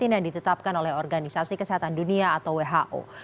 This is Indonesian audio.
yang ditetapkan oleh organisasi kesehatan dunia atau who